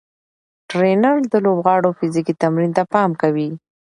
ټرېنر د لوبغاړو فزیکي تمرین ته پام کوي.